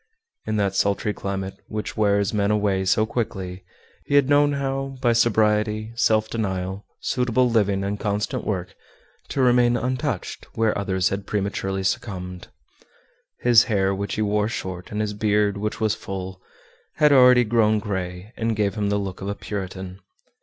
In that sultry climate, which wears men away so quickly, he had known how, by sobriety, self denial, suitable living, and constant work, to remain untouched where others had prematurely succumbed. His hair, which he wore short, and his beard, which was full, had already grown gray, and gave him the look of a Puritan.